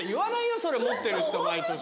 それ持ってる人毎年。